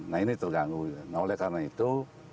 nah ini terganggu nah oleh karena itu